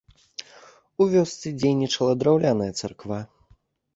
У вёсцы дзейнічала драўляная царква.